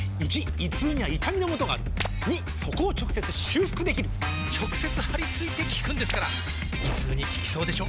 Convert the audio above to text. ①胃痛には痛みのもとがある②そこを直接修復できる直接貼り付いて効くんですから胃痛に効きそうでしょ？